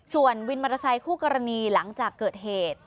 ส่วนวินมอเตอร์ไซคู่กรณีหลังจากเกิดเหตุ